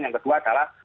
yang kedua adalah